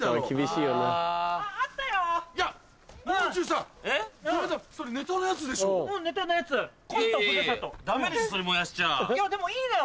いやでもいいのよ。